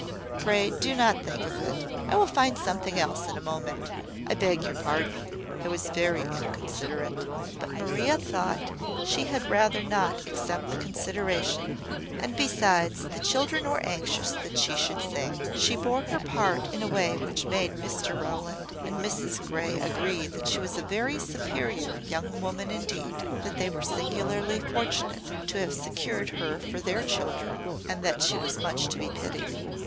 Pray do not think of it. I will find something else in a moment. I beg your pardon: I was very inconsiderate." But Maria thought she had rather not accept the consideration; and besides, the children were anxious that she should sing. She bore her part in a way which made Mr Rowland and Mrs Grey agree that she was a very superior young woman indeed; that they were singularly fortunate to have secured her for their children; and that she was much to be pitied.